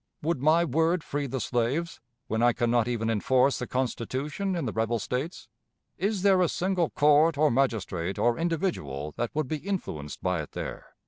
Would my word free the slaves, when I can not even enforce the Constitution in the rebel States? Is there a single court, or magistrate, or individual that would be influenced by it there?